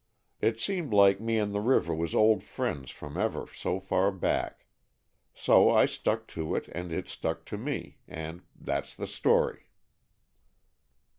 It seemed like me and the river was old friends from ever so far back. So I stuck to it and it stuck to me, and that's the story."